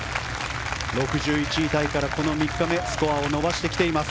６１位タイからこの３日間スコアを伸ばしてきています。